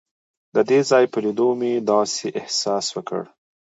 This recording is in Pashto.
د دې ځای په لیدو مې داسې احساس وکړ.